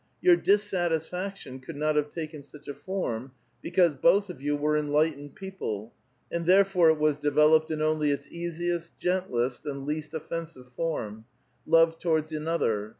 Your dissatisfaction could not have taken such a form, because both of you were enlightened people, and therefore it was developed in only its easiest, gentlest, and least otfensive form, — love towards another.